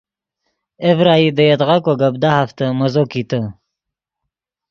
اے ڤرائی دے یدغا کو گپ دہافتے مزو کیتے